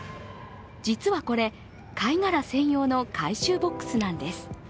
実はこれ、貝殻専用の回収ボックスなんです。